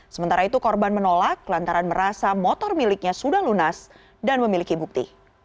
sementara itu korban menolak lantaran merasa motor miliknya sudah lunas dan memiliki bukti